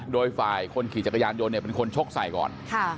โดยฝ่ายคนขี่จักรยานยนต์เป็นคนชกใส่ก่อน